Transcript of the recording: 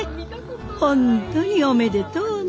本当におめでとうね。